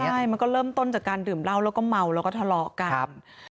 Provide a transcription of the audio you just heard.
ใช่มันก็เริ่มต้นจากการดื่มเหล้าแล้วก็เมาแล้วก็ทะเลาะกัน